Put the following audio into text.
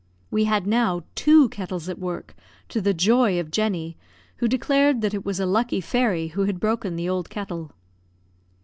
We had now two kettles at work, to the joy of Jenny, who declared that it was a lucky fairy who had broken the old kettle.